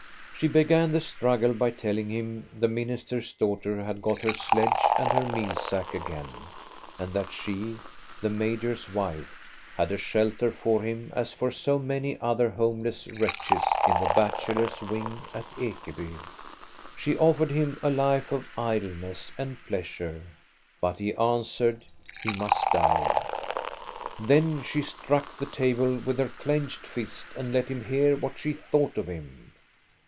She began the struggle by telling him the minister's daughter had got her sledge and her meal sack again, and that she, the major's wife, had a shelter for him as for so many other homeless wretches in the bach elor's wing at Ekeby. INTRODUCTION 19 She offered him a life of idleness and pleasure, but he answered he must die. Then she struck the table with her clenched fist and let him hear what she thought of him.